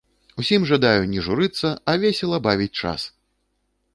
Усім жадаю не журыцца, а весела бавіць час!